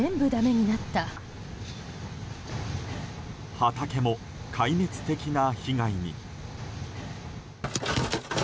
畑も壊滅的な被害に。